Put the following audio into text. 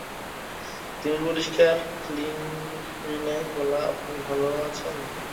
তিমির পরিষ্কার ক্লিনরিনে গলা, আপনি ভালো আছেন?